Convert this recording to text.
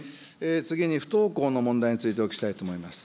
次に不登校の問題についてお聞きしたいと思います。